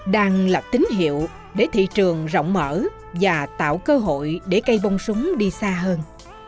đang lập tín hiệu để thị trường rộng mở và tạo cơ hội để cây bông súng đi xa hơn